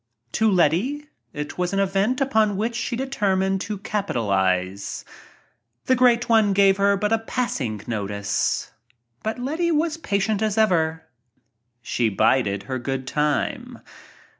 To Letty it was an event upon which She determined to capitalize. The Great One gave her but a passing notice. But Letty was patient as ever. She bided her good time.